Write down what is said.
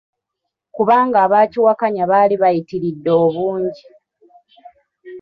Kubanga abakiwakanya baali bayitiridde obungi.